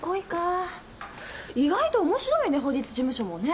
意外と面白いね法律事務所もね。